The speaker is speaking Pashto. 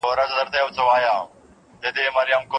انا په ژمي کې د خپلې یوازیتوب احساس کوي.